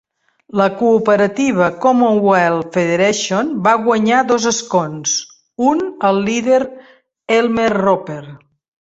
La cooperativa Commonwealth Federation va guanyar dos escons, un el líder Elmer Roper.